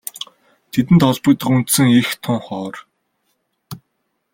Тэдэнд холбогдох үндсэн эх тун ховор.